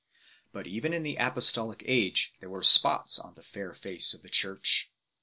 8. But even in the apostolic age there were spots on the fair face of the Church.